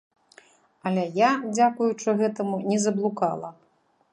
Але я, дзякуючы гэтаму, не заблукала.